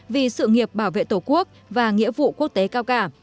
vì sự nghiệp bảo vệ tổ quốc và nghĩa vụ quốc tế cao cả